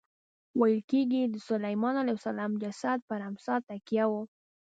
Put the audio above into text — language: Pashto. ویل کېږي د سلیمان علیه السلام جسد پر امسا تکیه و.